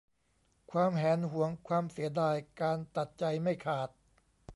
ความแหนหวง ความเสียดาย การตัดใจไม่ขาด